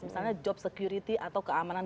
misalnya job security atau keamanan